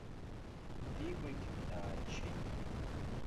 Дигәагь дааччеит.